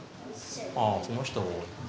ああその人多い。